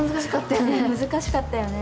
難しかったよね。